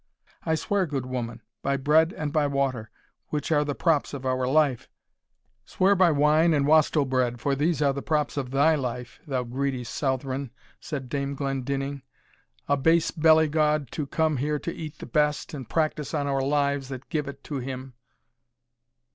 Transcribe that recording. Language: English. "I swear, good woman, by bread and by water, which are the props of our life " "Swear by wine and wastel bread, for these are the props of thy life, thou greedy Southron!" said Dame Glendinning; "a base belly god, to come here to eat the best, and practise on our lives that give it to him!"